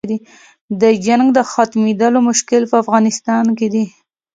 د جنګ د ختمېدلو مشکل په افغانستان کې دی.